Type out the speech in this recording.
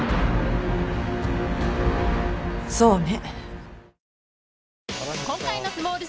そうね。